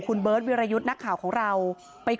กลุ่มวัยรุ่นฝั่งพระแดง